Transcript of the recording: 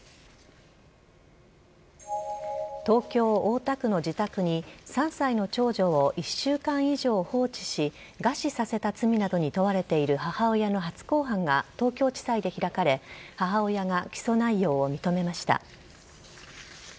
東京・大田区の自宅に３歳の長女を１週間以上放置し餓死させた罪などに問われている母親の初公判が東京地裁で開かれ母親が起訴内容を認めました。